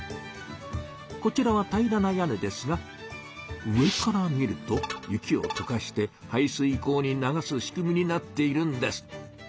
こちらは平らな屋根ですが上から見ると雪を溶かして排水溝に流す仕組みになっているんです。